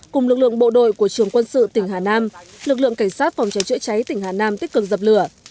cùng lực lượng bộ đội của trường quân sự tỉnh hà nam lực lượng cảnh sát phòng cháy chữa cháy tỉnh hà nam tích cực dập lửa